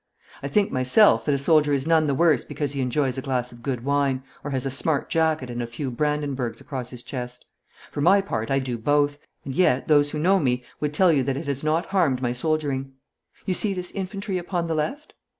I think myself that a soldier is none the worse because he enjoys a glass of good wine, or has a smart jacket and a few Brandenburgs across his chest. For my part I do both, and yet those who know me would tell you that it has not harmed my soldiering. You see this infantry upon the left?'